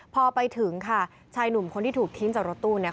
พอไปถึงค่ะชายหนุ่มคนที่ถูกทิ้งจากรถตู้เนี่ย